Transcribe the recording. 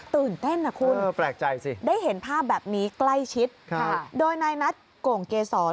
ตื่นเต้นนะคุณแปลกใจสิได้เห็นภาพแบบนี้ใกล้ชิดโดยนายนัทโก่งเกศร